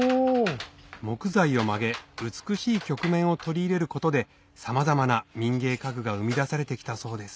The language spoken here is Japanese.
木材を曲げ美しい曲面を取り入れることでさまざまな民芸家具が生み出されて来たそうです